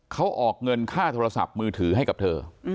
เขาออกเงินค่าโทรศัพท์มือถือให้กับเธอ